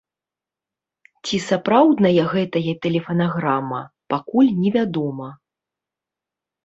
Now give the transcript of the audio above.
Ці сапраўдная гэтая тэлефанаграмма, пакуль невядома.